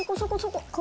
ここ？